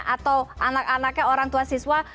atau anak anaknya orang tua siswa